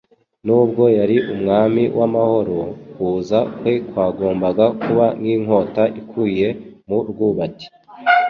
Nubwo yari Umwami w'Amahoro, kuza kwe kwagombaga kuba nk'inkota ikuwe mu rwubati